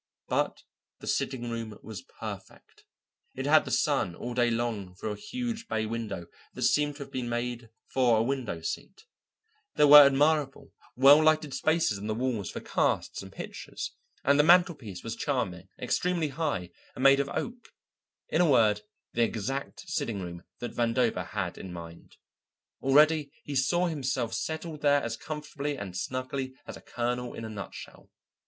But the sitting room was perfect. It had the sun all day long through a huge bay window that seemed to have been made for a window seat; there were admirable, well lighted spaces on the walls for casts and pictures, and the mantelpiece was charming, extremely high, and made of oak; in a word, the exact sitting room that Vandover had in mind. Already he saw himself settled there as comfortably and snugly as a kernel in a nutshell.